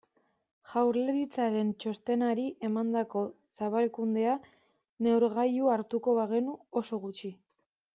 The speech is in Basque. Jaurlaritzaren txostenari emandako zabalkundea neurgailu hartuko bagenu, oso gutxi.